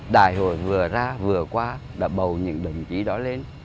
đại hội vừa ra vừa qua đã bầu những đồng chí đó lên